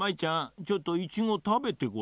ちょっとイチゴたべてごらん。